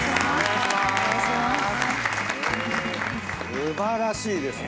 素晴らしいですね。